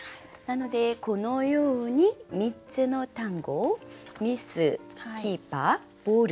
なのでこのように３つの単語を「ミス」「キーパー」「ボール」